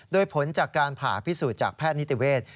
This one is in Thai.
โดยผลจากการผ่าพิสูจน์จากแพทย์นิติเวศ